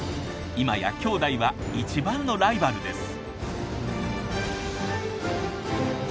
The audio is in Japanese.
今やきょうだいは一番のライバルです。